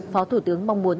phó thủ tướng mong muốn